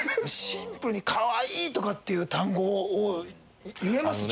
シンプルに「かわいい」とかっていう単語を言えます？